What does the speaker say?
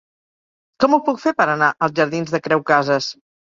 Com ho puc fer per anar als jardins de Creu Casas?